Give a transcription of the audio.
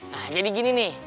nah jadi gini nih